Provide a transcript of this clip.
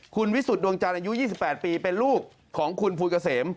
คุณวิสุทธิ์ดวงจันทร์อายุ๒๘ปีเป็นลูกของคุณภูลเกษม